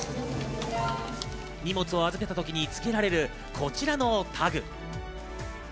荷物を預けた時につけられるこちらのタグ。